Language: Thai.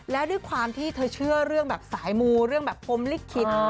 แล้วด้วยความที่เธอเชื่อเรื่องแบบสายมูเรื่องแบบพรมลิขิต